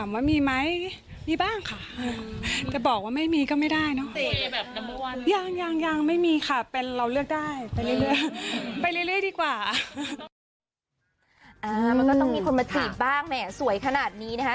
มันก็ต้องมีคนมาจีบบ้างแหมสวยขนาดนี้นะคะ